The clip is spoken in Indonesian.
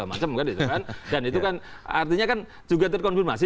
artinya kan juga terkonfirmasi